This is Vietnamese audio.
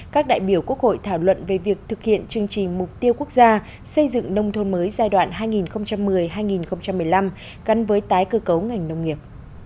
các đại biểu quốc hội thảo luận về việc thực hiện chương trình mục tiêu quốc gia xây dựng nông thôn mới giai đoạn hai nghìn một mươi hai nghìn một mươi năm gắn với tái cơ cấu ngành nông nghiệp